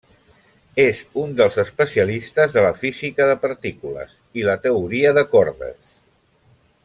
És un dels especialistes de la física de partícules i la teoria de cordes.